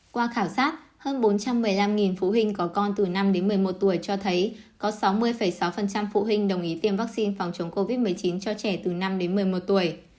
qua khảo sát hơn bốn trăm một mươi năm phụ huynh có con từ năm đến một mươi một tuổi cho thấy có sáu mươi sáu phụ huynh đồng ý tiêm vaccine phòng chống covid một mươi chín cho trẻ từ năm đến một mươi một tuổi